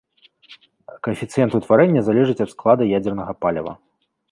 Каэфіцыент утварэння залежыць ад склада ядзернага паліва.